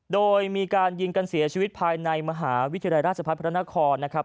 โดยมีการยิงกันเสียชีวิตภายในมหาวิทยาลัยราชพัฒน์พระนครนะครับ